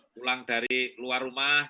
pulang dari luar rumah